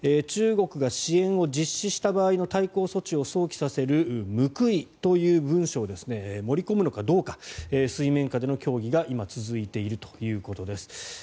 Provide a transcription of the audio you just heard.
中国が支援を実施した場合の対抗措置を想起させる、報いという文章を盛り込むのかどうか水面下での協議が今、続いているということです。